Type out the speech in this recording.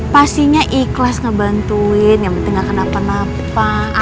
pastinya ikhlas ngebantuin yang penting gak kena penampak